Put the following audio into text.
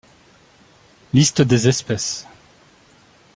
Liste des espèces.